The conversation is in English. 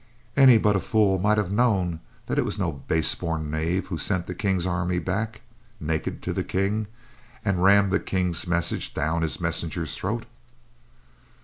"Any but a fool might have known that it was no base born knave who sent the King's army back, naked, to the King, and rammed the King's message down his messenger's throat.